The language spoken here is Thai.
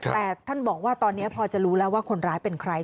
แต่ท่านบอกว่าตอนนี้พอจะรู้แล้วว่าคนร้ายเป็นใคร